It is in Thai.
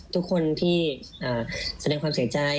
ทุกคนที่แสดงความเสียใจ